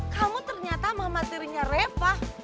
kamu ternyata mama tirinya reva